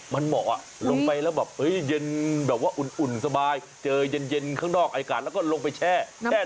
มันเหมาะลงไปแล้วแบบเย็นแบบว่าอุ่นสบายเจอเย็นข้างนอกอากาศแล้วก็ลงไปแช่